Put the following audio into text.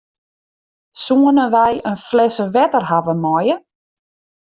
Soenen wy in flesse wetter hawwe meie?